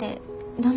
どんな？